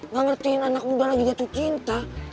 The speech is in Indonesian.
gak ngerti anak muda lagi jatuh cinta